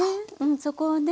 そこをね